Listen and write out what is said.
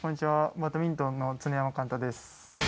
バドミントンの常山幹太です。